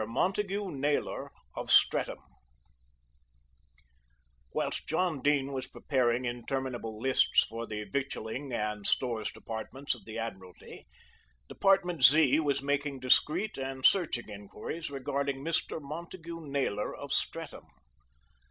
MONTAGU NAYLOR OF STREATHAM Whilst John Dene was preparing interminable lists for the Victualling and Stores Departments of the Admiralty, Department Z. was making discreet and searching enquiries regarding Mr. Montagu Naylor of Streatham.